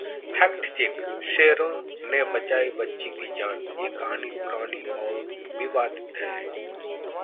fact check शेरों ने बचाई बच्ची की जान, ये कहानी पुरानी और विवादित है